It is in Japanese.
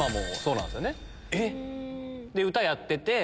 えっ⁉で歌やってて。